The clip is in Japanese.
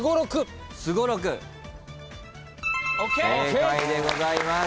正解でございます。